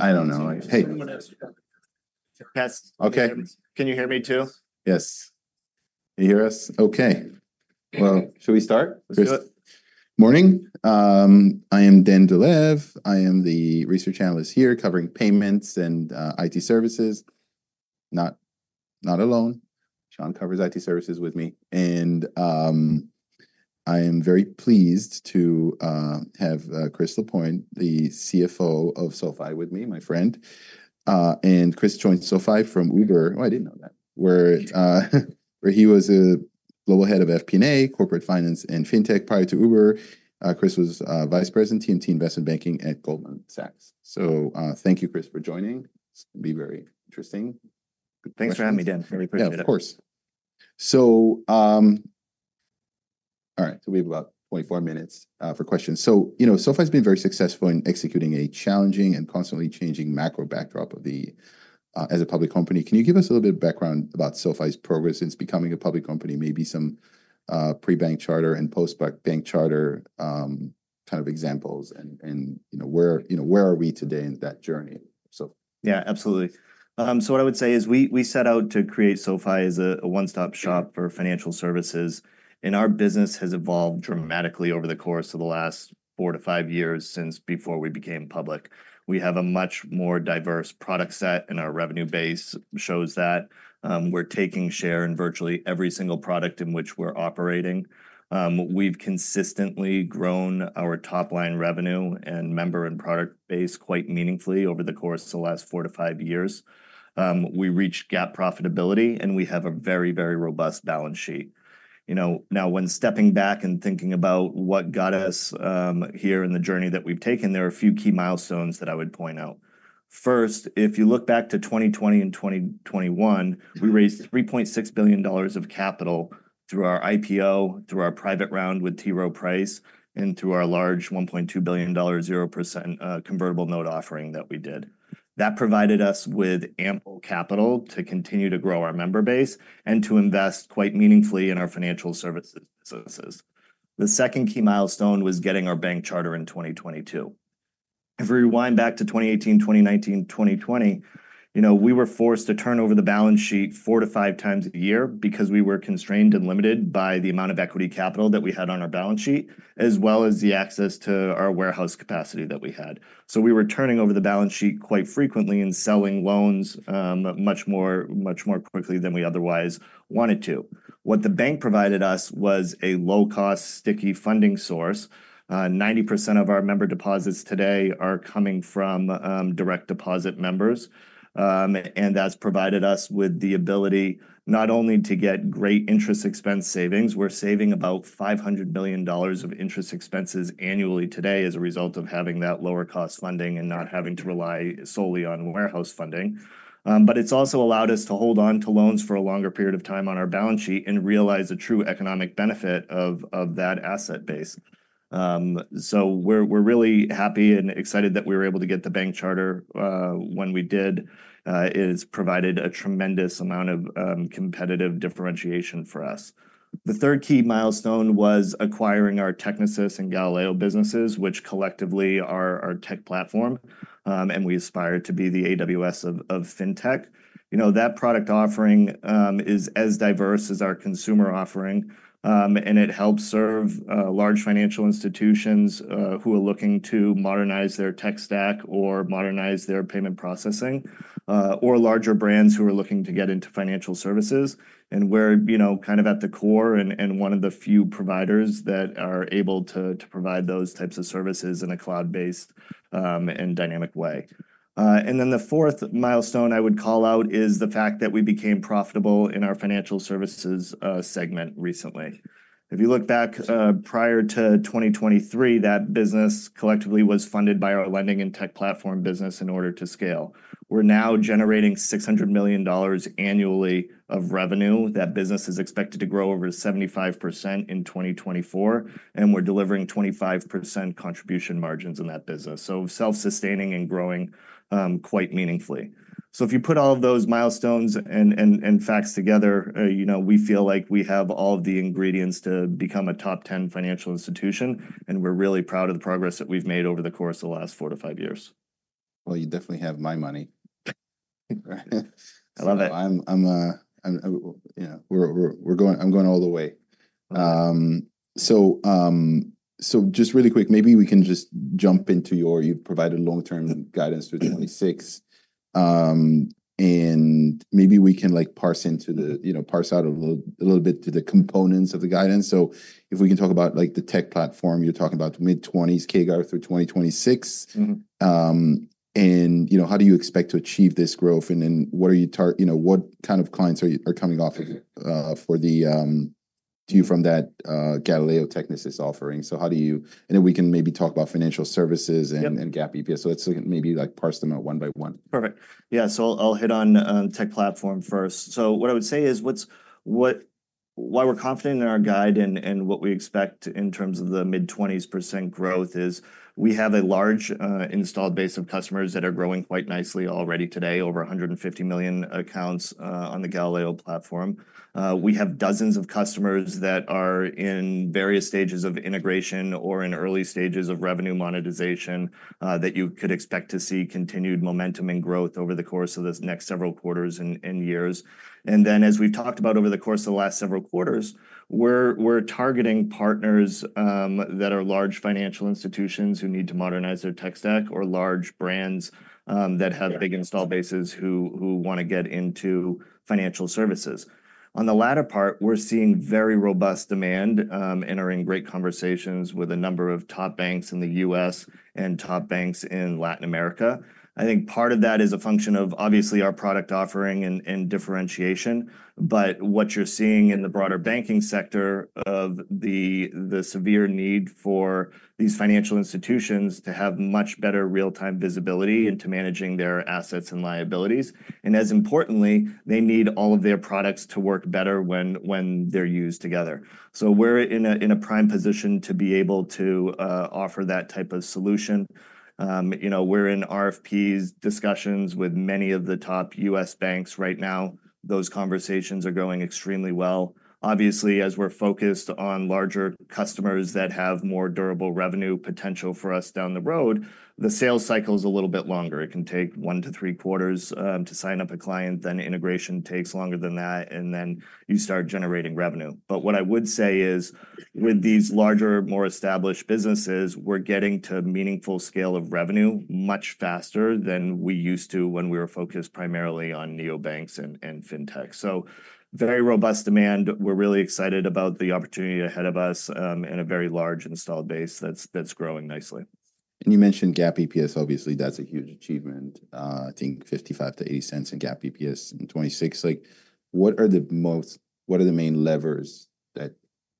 I don't know. Hey- Someone asked. Yes. Okay. Can you hear me too? Yes. Can you hear us? Okay. Well, should we start? Let's do it. Morning. I am Dan Dolev. I am the research analyst here covering payments and IT services. Not alone. Sean covers IT services with me, and I am very pleased to have Chris Lapointe, the CFO of SoFi, with me, my friend. And Chris joined SoFi from Uber- Oh, I didn't know that. where he was a global head of FP&A, corporate finance, and fintech prior to Uber. Chris was Vice President, TMT Investment Banking at Goldman Sachs. So, thank you, Chris, for joining. This will be very interesting. Thanks for having me, Dan. Really appreciate it. Yeah, of course. So, all right, so we have about 24 minutes for questions. So, you know, SoFi's been very successful in executing a challenging and constantly changing macro backdrop as a public company. Can you give us a little bit of background about SoFi's progress since becoming a public company, maybe some pre-bank charter and post-bank charter kind of examples, and, and you know, where, you know, where are we today in that journey? So- Yeah, absolutely. So what I would say is we set out to create SoFi as a one-stop shop for financial services, and our business has evolved dramatically over the course of the last four to five years since before we became public. We have a much more diverse product set, and our revenue base shows that. We're taking share in virtually every single product in which we're operating. We've consistently grown our top-line revenue and member and product base quite meaningfully over the course of the last four to five years. We reached GAAP profitability, and we have a very, very robust balance sheet. You know, now, when stepping back and thinking about what got us here in the journey that we've taken, there are a few key milestones that I would point out. First, if you look back to 2020 and 2021- Mm-hmm... we raised $3.6 billion of capital through our IPO, through our private round with T. Rowe Price, and through our large $1.2 billion, 0% convertible note offering that we did. That provided us with ample capital to continue to grow our member base and to invest quite meaningfully in our financial services, services. The second key milestone was getting our bank charter in 2022. If we rewind back to 2018, 2019, 2020, you know, we were forced to turn over the balance sheet 4x-5x a year because we were constrained and limited by the amount of equity capital that we had on our balance sheet, as well as the access to our warehouse capacity that we had. So we were turning over the balance sheet quite frequently and selling loans, much more, much more quickly than we otherwise wanted to. What the bank provided us was a low-cost, sticky funding source. 90% of our member deposits today are coming from direct deposit members. And that's provided us with the ability not only to get great interest expense savings, we're saving about $500 million of interest expenses annually today as a result of having that lower cost lending and not having to rely solely on warehouse funding. But it's also allowed us to hold on to loans for a longer period of time on our balance sheet and realize the true economic benefit of, of that asset base. So we're, we're really happy and excited that we were able to get the bank charter, when we did. It has provided a tremendous amount of competitive differentiation for us. The third key milestone was acquiring our Technisys and Galileo businesses, which collectively are our tech platform. And we aspire to be the AWS of fintech. You know, that product offering is as diverse as our consumer offering, and it helps serve large financial institutions who are looking to modernize their tech stack or modernize their payment processing, or larger brands who are looking to get into financial services. And we're, you know, kind of at the core and one of the few providers that are able to provide those types of services in a cloud-based and dynamic way. And then the fourth milestone I would call out is the fact that we became profitable in our financial services segment recently. If you look back, prior to 2023, that business collectively was funded by our lending and tech platform business in order to scale. We're now generating $600 million annually of revenue. That business is expected to grow over 75% in 2024, and we're delivering 25% contribution margins in that business, so self-sustaining and growing, quite meaningfully. So if you put all of those milestones and facts together, you know, we feel like we have all of the ingredients to become a top 10 financial institution, and we're really proud of the progress that we've made over the course of the last 4-5 years. Well, you definitely have my money. I love it. You know, we're going, I'm going all the way. So just really quick, maybe we can just jump into your... You've provided long-term guidance through 2026. And maybe we can, like, you know, parse out a little bit to the components of the guidance. So if we can talk about, like, the tech platform, you're talking about mid-20s CAGR through 2026. Mm-hmm. You know, how do you expect to achieve this growth? And then—you know, what kind of clients are coming to you from that Galileo, Technisys offering? So how do you—and then we can maybe talk about financial services- Yep... and GAAP EPS. So let's maybe, like, parse them out one by one. Perfect. Yeah, so I'll hit on tech platform first. So what I would say is why we're confident in our guide and what we expect in terms of the mid-20s percent growth is we have a large installed base of customers that are growing quite nicely already today, over 150 million accounts on the Galileo platform. We have dozens of customers that are in various stages of integration or in early stages of revenue monetization that you could expect to see continued momentum and growth over the course of this next several quarters and years. And then, as we've talked about over the course of the last several quarters, we're targeting partners that are large financial institutions who need to modernize their tech stack, or large brands that have big install bases who want to get into financial services. On the latter part, we're seeing very robust demand and are in great conversations with a number of top banks in the U.S. and top banks in Latin America. I think part of that is a function of obviously our product offering and differentiation, but what you're seeing in the broader banking sector of the severe need for these financial institutions to have much better real-time visibility into managing their assets and liabilities. And as importantly, they need all of their products to work better when they're used together. So we're in a prime position to be able to offer that type of solution. You know, we're in RFPs discussions with many of the top U.S. banks right now. Those conversations are going extremely well. Obviously, as we're focused on larger customers that have more durable revenue potential for us down the road, the sales cycle is a little bit longer. It can take one to three quarters to sign up a client, then integration takes longer than that, and then you start generating revenue. But what I would say is, with these larger, more established businesses, we're getting to meaningful scale of revenue much faster than we used to when we were focused primarily on neobanks and fintech. So very robust demand. We're really excited about the opportunity ahead of us, and a very large installed base that's growing nicely. You mentioned GAAP EPS. Obviously, that's a huge achievement. I think $0.55-$0.80 in GAAP EPS in 2026. Like, what are the main levers that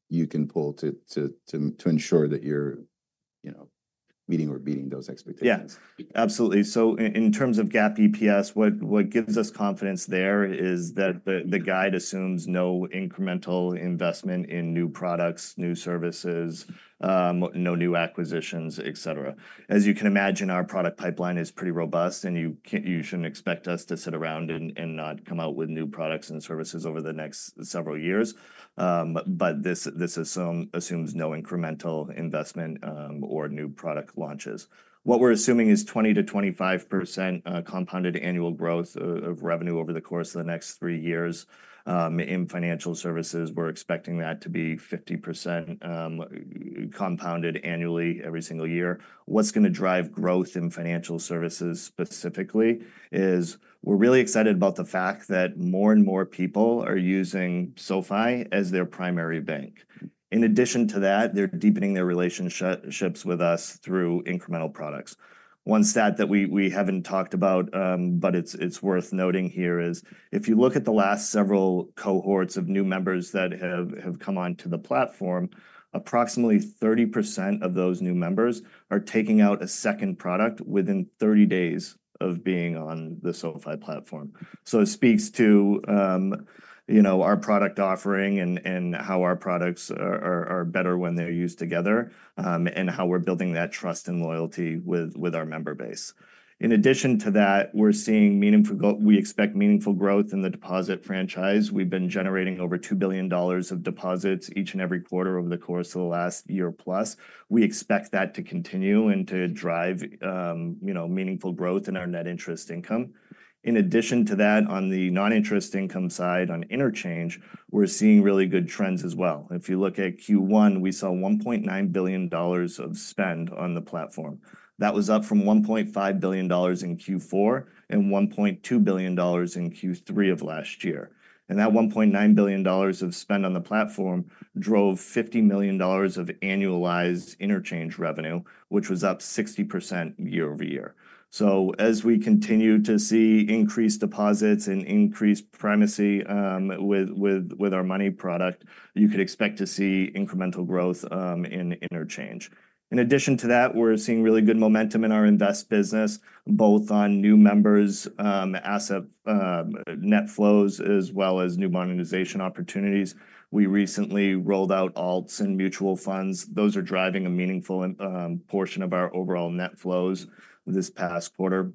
you can pull to ensure that you're, you know, meeting or beating those expectations? Yeah, absolutely. So in terms of GAAP EPS, what gives us confidence there is that the guide assumes no incremental investment in new products, new services, no new acquisitions, et cetera. As you can imagine, our product pipeline is pretty robust, and you shouldn't expect us to sit around and not come out with new products and services over the next several years. But this assumes no incremental investment or new product launches. What we're assuming is 20%-25% compounded annual growth of revenue over the course of the next three years. In financial services, we're expecting that to be 50% compounded annually every single year. What's gonna drive growth in financial services specifically is we're really excited about the fact that more and more people are using SoFi as their primary bank. In addition to that, they're deepening their relationships with us through incremental products. One stat that we haven't talked about, but it's worth noting here, is if you look at the last several cohorts of new members that have come onto the platform, approximately 30% of those new members are taking out a second product within 30 days of being on the SoFi platform. So it speaks to, you know, our product offering and how our products are better when they're used together, and how we're building that trust and loyalty with our member base. In addition to that, we're seeing meaningful growth. We expect meaningful growth in the deposit franchise. We've been generating over $2 billion of deposits each and every quarter over the course of the last year plus. We expect that to continue and to drive, you know, meaningful growth in our net interest income. In addition to that, on the non-interest income side, on interchange, we're seeing really good trends as well. If you look at Q1, we saw $1.9 billion of spend on the platform. That was up from $1.5 billion in Q4 and $1.2 billion in Q3 of last year. And that $1.9 billion of spend on the platform drove $50 million of annualized interchange revenue, which was up 60% year-over-year. So as we continue to see increased deposits and increased primacy, with our Money product, you could expect to see incremental growth in interchange. In addition to that, we're seeing really good momentum in our Invest business, both on new members, asset, net flows, as well as new monetization opportunities. We recently rolled out alts and mutual funds. Those are driving a meaningful portion of our overall net flows this past quarter.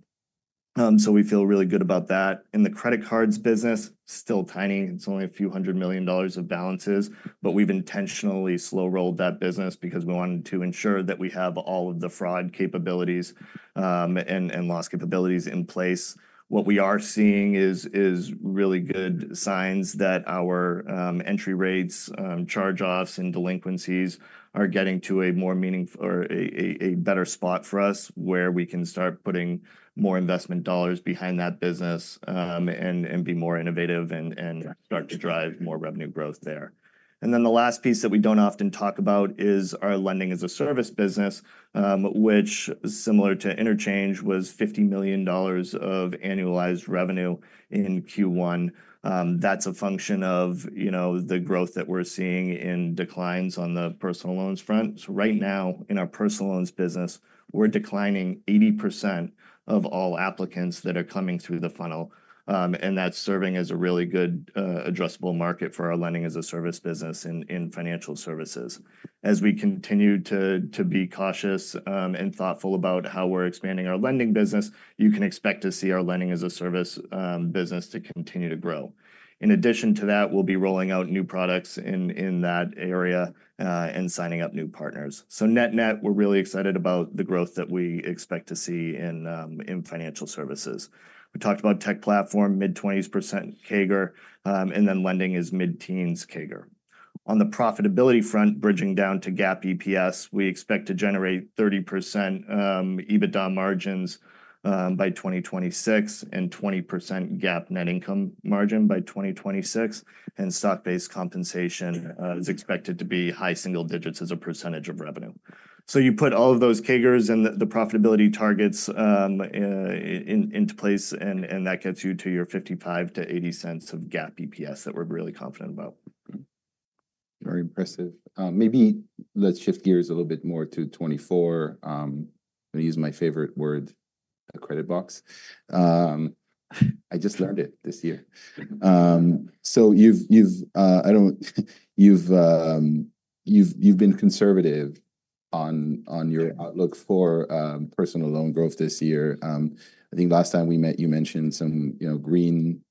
So we feel really good about that. In the credit cards business, still tiny. It's only a few $100 million of balances, but we've intentionally slow-rolled that business because we wanted to ensure that we have all of the fraud capabilities, and loss capabilities in place. What we are seeing is really good signs that our entry rates, charge-offs, and delinquencies are getting to a more meaningful or a better spot for us, where we can start putting more investment dollars behind that business, and be more innovative and start to drive more revenue growth there. And then the last piece that we don't often talk about is our lending-as-a-service business, which, similar to interchange, was $50 million of annualized revenue in Q1. That's a function of, you know, the growth that we're seeing in declines on the personal loans front. So right now, in our personal loans business, we're declining 80% of all applicants that are coming through the funnel. And that's serving as a really good addressable market for our lending-as-a-service business in financial services. As we continue to be cautious and thoughtful about how we're expanding our lending business, you can expect to see our lending-as-a-service business to continue to grow. In addition to that, we'll be rolling out new products in that area and signing up new partners. So net-net, we're really excited about the growth that we expect to see in financial services. We talked about tech platform, mid-20s percent CAGR, and then lending is mid-teens CAGR. On the profitability front, bridging down to GAAP EPS, we expect to generate 30% EBITDA margins by 2026, and 20% GAAP net income margin by 2026, and stock-based compensation is expected to be high single digits as a percentage of revenue. So you put all of those CAGRs and the profitability targets into place, and that gets you to your $0.55-$0.80 of GAAP EPS that we're really confident about. Very impressive. Maybe let's shift gears a little bit more to 2024. I'm gonna use my favorite word, the credit box. I just learned it this year. So you've been conservative on your outlook for personal loan growth this year. I think last time we met, you mentioned some, you know, green,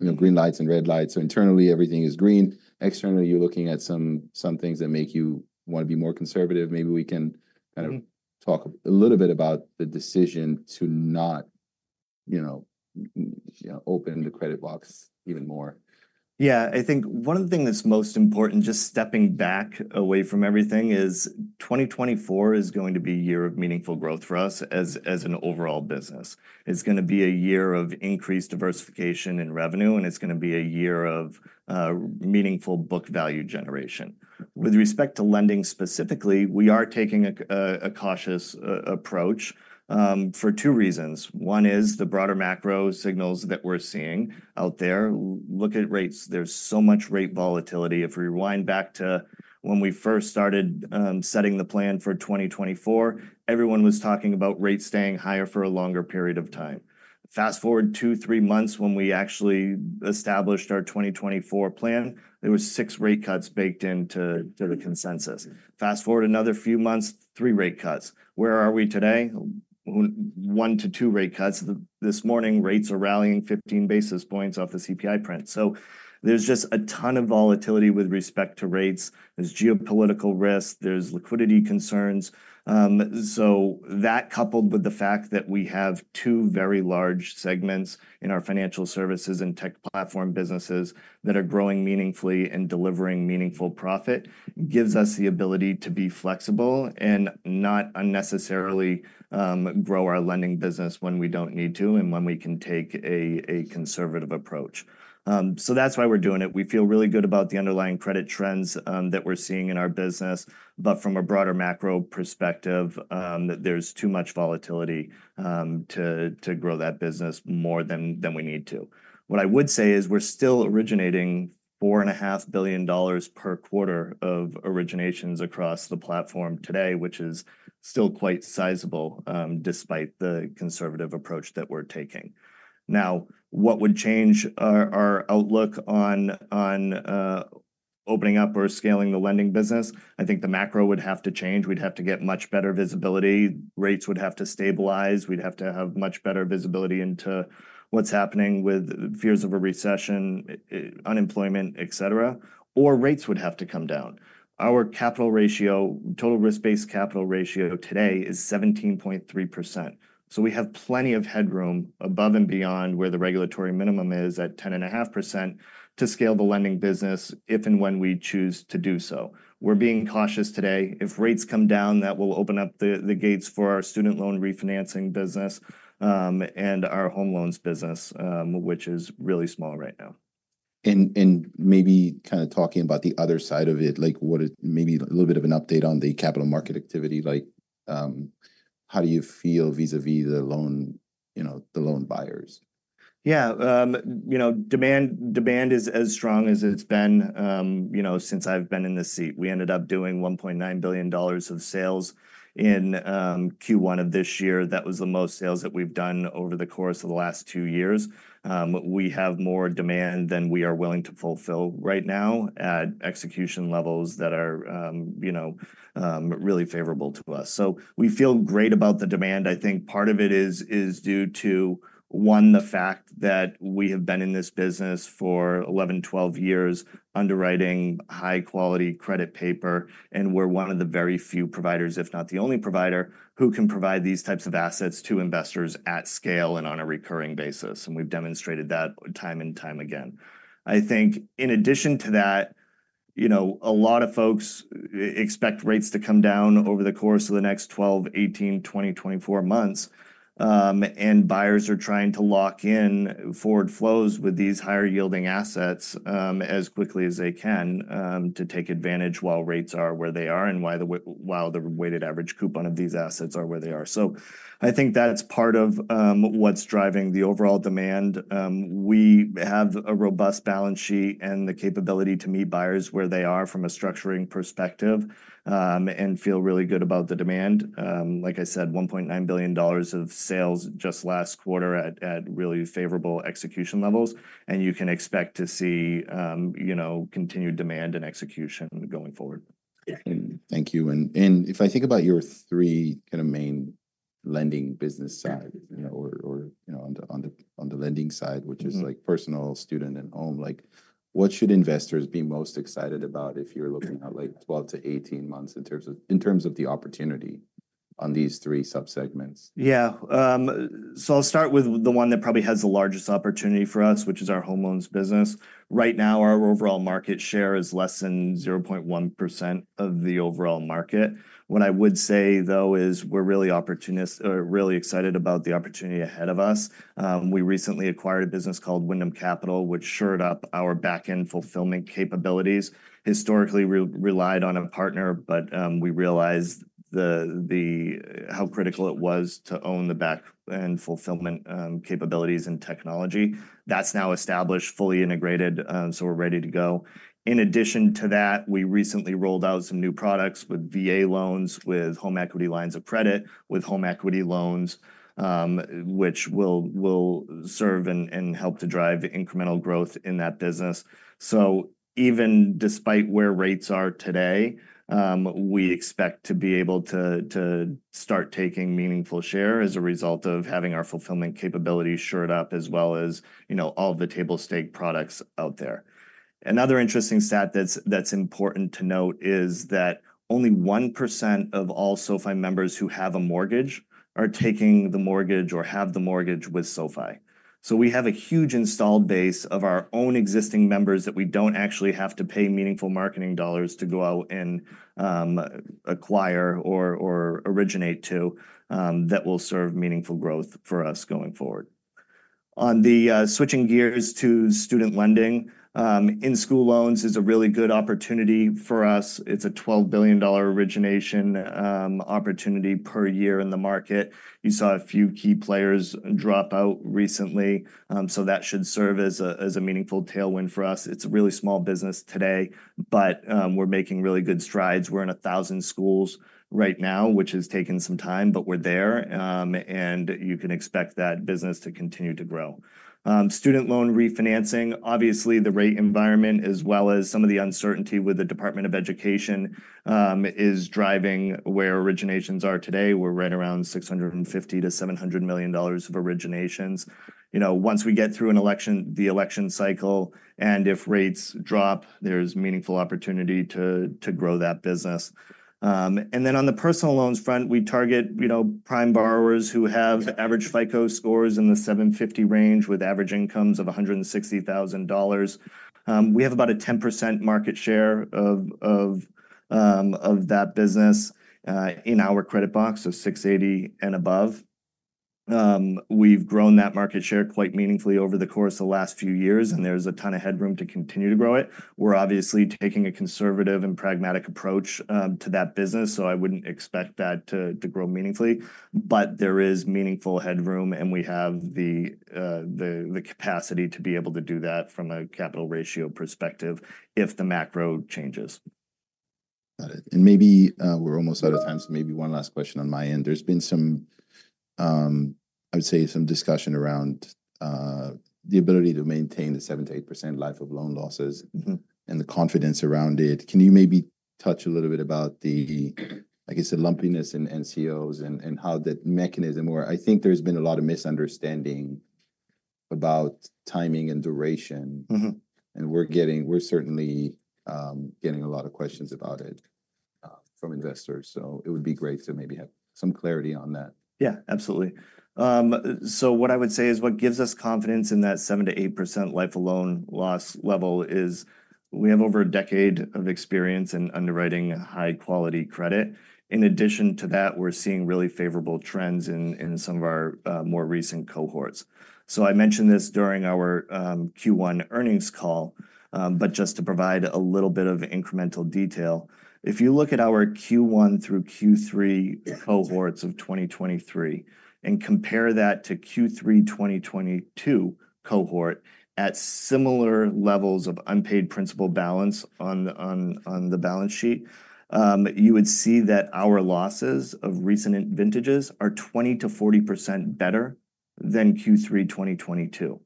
you know, green lights and red lights. So internally, everything is green. Externally, you're looking at some things that make you want to be more conservative. Maybe we can kind of- Mm-hmm... talk a little bit about the decision to not, you know, you know, open the credit box even more. Yeah. I think one of the things that's most important, just stepping back away from everything, is 2024 is going to be a year of meaningful growth for us as an overall business. It's gonna be a year of increased diversification and revenue, and it's gonna be a year of meaningful book value generation. With respect to lending specifically, we are taking a cautious approach for two reasons. One is the broader macro signals that we're seeing out there. Look at rates. There's so much rate volatility. If we rewind back to when we first started setting the plan for 2024, everyone was talking about rates staying higher for a longer period of time. Fast-forward two, three months when we actually established our 2024 plan, there were six rate cuts baked into the consensus. Fast-forward another few months, three rate cuts. Where are we today? One to two rate cuts. This morning, rates are rallying 15 basis points off the CPI print. So there's just a ton of volatility with respect to rates. There's geopolitical risk, there's liquidity concerns. So that, coupled with the fact that we have two very large segments in our financial services and tech platform businesses that are growing meaningfully and delivering meaningful profit, gives us the ability to be flexible and not unnecessarily grow our lending business when we don't need to and when we can take a conservative approach. So that's why we're doing it. We feel really good about the underlying credit trends that we're seeing in our business. But from a broader macro perspective, there's too much volatility to grow that business more than we need to. What I would say is we're still originating $4.5 billion per quarter of originations across the platform today, which is still quite sizeable, despite the conservative approach that we're taking. Now, what would change our outlook on opening up or scaling the lending business? I think the macro would have to change. We'd have to get much better visibility. Rates would have to stabilize. We'd have to have much better visibility into what's happening with fears of a recession, unemployment, etcetera, or rates would have to come down. Our capital ratio, total risk-based capital ratio today is 17.3%. So we have plenty of headroom above and beyond where the regulatory minimum is at 10.5% to scale the lending business if and when we choose to do so. We're being cautious today. If rates come down, that will open up the gates for our student loan refinancing business, and our home loans business, which is really small right now. And maybe kind of talking about the other side of it, like what it—maybe a little bit of an update on the capital market activity. Like, how do you feel vis-à-vis the loan—you know, the loan buyers? Yeah, you know, demand, demand is as strong as it's been, you know, since I've been in this seat. We ended up doing $1.9 billion of sales in Q1 of this year. That was the most sales that we've done over the course of the last two years. We have more demand than we are willing to fulfill right now at execution levels that are, you know, really favorable to us. So we feel great about the demand. I think part of it is due to, one, the fact that we have been in this business for 11, 12 years, underwriting high-quality credit paper, and we're one of the very few providers, if not the only provider, who can provide these types of assets to investors at scale and on a recurring basis, and we've demonstrated that time and time again. I think in addition to that, you know, a lot of folks expect rates to come down over the course of the next 12, 18, 20, 24 months. And buyers are trying to lock in forward flows with these higher-yielding assets, as quickly as they can, to take advantage while rates are where they are and while the weighted average coupon of these assets are where they are. So I think that's part of what's driving the overall demand. We have a robust balance sheet and the capability to meet buyers where they are from a structuring perspective, and feel really good about the demand. Like I said, $1.9 billion of sales just last quarter at really favorable execution levels, and you can expect to see, you know, continued demand and execution going forward. Thank you. And if I think about your three kind of main lending business side- Yeah. or, you know, on the lending side- Mm-hmm. - which is like personal, student, and home, like, what should investors be most excited about if you're looking at, like, 12-18 months in terms of, in terms of the opportunity on these three subsegments? Yeah, so I'll start with the one that probably has the largest opportunity for us, which is our home loans business. Right now, our overall market share is less than 0.1% of the overall market. What I would say, though, is we're really excited about the opportunity ahead of us. We recently acquired a business called Wyndham Capital, which shored up our back-end fulfillment capabilities. Historically, relied on a partner, but we realized how critical it was to own the back-end fulfillment capabilities and technology. That's now established, fully integrated, so we're ready to go. In addition to that, we recently rolled out some new products with VA loans, with home equity lines of credit, with home equity loans, which will serve and help to drive incremental growth in that business. So even despite where rates are today, we expect to be able to start taking meaningful share as a result of having our fulfillment capabilities shored up, as well as, you know, all of the table stakes products out there. Another interesting stat that's important to note is that only 1% of all SoFi members who have a mortgage are taking the mortgage or have the mortgage with SoFi. So we have a huge installed base of our own existing members that we don't actually have to pay meaningful marketing dollars to go out and acquire or originate to that will serve meaningful growth for us going forward. Switching gears to student lending, in-school loans is a really good opportunity for us. It's a $12 billion origination opportunity per year in the market. You saw a few key players drop out recently, so that should serve as a, as a meaningful tailwind for us. It's a really small business today, but, we're making really good strides. We're in 1,000 schools right now, which has taken some time, but we're there, and you can expect that business to continue to grow. Student loan refinancing, obviously, the rate environment, as well as some of the uncertainty with the Department of Education, is driving where originations are today. We're right around $650 million-$700 million of originations. You know, once we get through an election, the election cycle, and if rates drop, there's meaningful opportunity to, to grow that business. And then on the personal loans front, we target, you know, prime borrowers who have average FICO scores in the 750 range with average incomes of $160,000. We have about a 10% market share of that business in our credit box, so 680 and above. We've grown that market share quite meaningfully over the course of the last few years, and there's a ton of headroom to continue to grow it. We're obviously taking a conservative and pragmatic approach to that business, so I wouldn't expect that to grow meaningfully. But there is meaningful headroom, and we have the capacity to be able to do that from a capital ratio perspective if the macro changes. Got it. And maybe, we're almost out of time, so maybe one last question on my end. There's been some, I would say some discussion around, the ability to maintain the 7%-8% life of loan losses- Mm-hmm. - and the confidence around it. Can you maybe touch a little bit about the, like you said, lumpiness in NCOs and how that mechanism where... I think there's been a lot of misunderstanding about timing and duration. Mm-hmm. We're certainly getting a lot of questions about it from investors, so it would be great to maybe have some clarity on that. Yeah, absolutely. So what I would say is what gives us confidence in that 7%-8% life of loan loss level is. We have over a decade of experience in underwriting high-quality credit. In addition to that, we're seeing really favorable trends in some of our more recent cohorts. So I mentioned this during our Q1 earnings call, but just to provide a little bit of incremental detail, if you look at our Q1 through Q3 cohorts of 2023 and compare that to Q3 2022 cohort at similar levels of unpaid principal balance on the balance sheet, you would see that our losses of recent vintages are 20%-40% better than Q3 2022.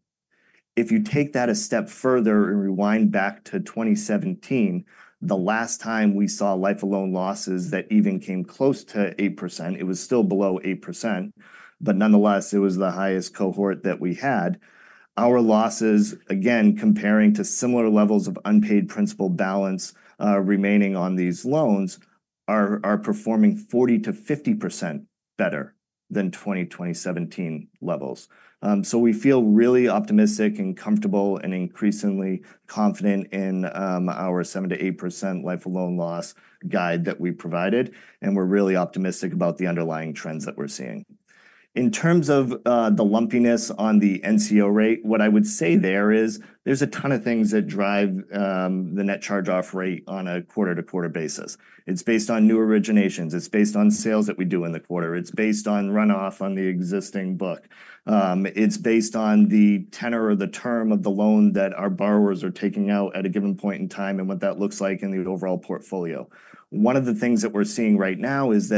If you take that a step further and rewind back to 2017, the last time we saw lifetime loan losses that even came close to 8%, it was still below 8%, but nonetheless, it was the highest cohort that we had. Our losses, again, comparing to similar levels of unpaid principal balance remaining on these loans, are performing 40%-50% better than 2017 levels. So we feel really optimistic and comfortable and increasingly confident in our 7%-8% lifetime loan loss guide that we provided, and we're really optimistic about the underlying trends that we're seeing. In terms of the lumpiness on the NCO rate, what I would say there is, there's a ton of things that drive the net charge-off rate on a quarter-to-quarter basis. It's based on new originations. It's based on sales that we do in the quarter. It's based on runoff on the existing book. It's based on the tenor or the term of the loan that our borrowers are taking out at a given point in time and what that looks like in the overall portfolio. One of the things that we're seeing right now is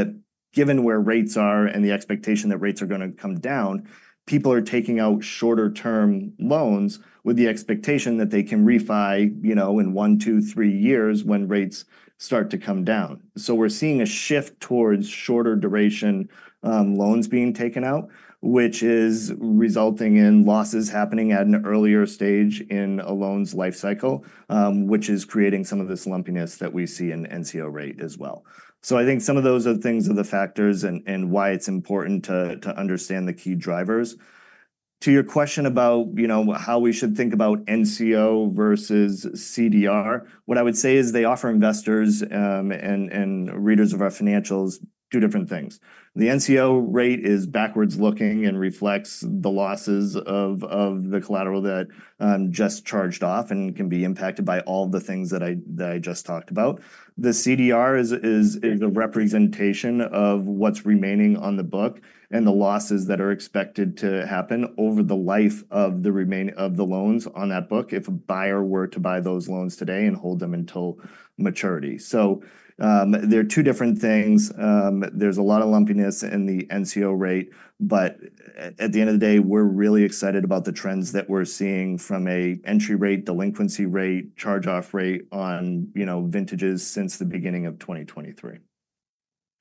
that given where rates are and the expectation that rates are gonna come down, people are taking out shorter-term loans with the expectation that they can refi, you know, in one, two, three years when rates start to come down. So we're seeing a shift towards shorter duration, loans being taken out, which is resulting in losses happening at an earlier stage in a loan's life cycle, which is creating some of this lumpiness that we see in the NCO rate as well. So I think some of those are the things are the factors and why it's important to understand the key drivers. To your question about, you know, how we should think about NCO versus CDR, what I would say is they offer investors and readers of our financials two different things. The NCO rate is backwards-looking and reflects the losses of the collateral that just charged off and can be impacted by all the things that I just talked about. The CDR is a representation of what's remaining on the book and the losses that are expected to happen over the life of the remaining of the loans on that book if a buyer were to buy those loans today and hold them until maturity. So, they're two different things. There's a lot of lumpiness in the NCO rate, but at the end of the day, we're really excited about the trends that we're seeing from a entry rate, delinquency rate, charge-off rate on, you know, vintages since the beginning of 2023.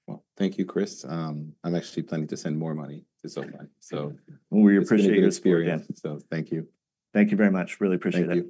Well, thank you, Chris. I'm actually planning to send more money to SoFi, so- We appreciate it. It's been a good experience, so thank you. Thank you very much. Really appreciate it.